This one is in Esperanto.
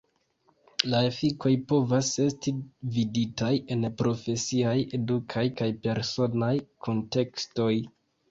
La efikoj povas esti viditaj en profesiaj, edukaj kaj personaj kuntekstoj.